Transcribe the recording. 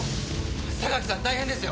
榊さん大変ですよ！